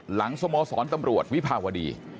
หลังสมสรรค์ตำรวจวิภาวดี